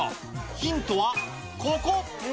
ヒントは、ここ。